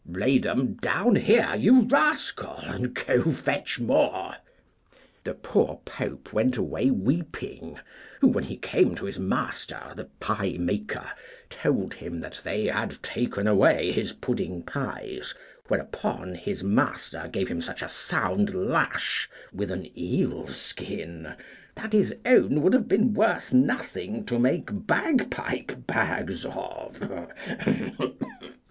Lay them down here, you rascal, and go fetch more. The poor Pope went away weeping, who, when he came to his master, the pie maker, told him that they had taken away his pudding pies. Whereupon his master gave him such a sound lash with an eel skin, that his own would have been worth nothing to make bag pipe bags of.